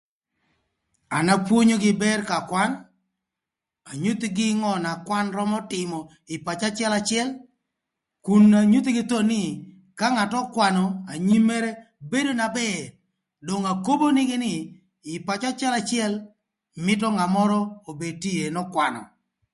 An apwonyogï bër ka kwan, anyuthigï ngö na kwan römö tïmö ï pacö acëlacël nakun anyuthigï thon nï, ka ngat okwanö anyim mërë bedo na bër, dong akobo nïgï nï, ï pacö acëlacël mïtö ngat mörö obed na tye ïë n'ökwanö.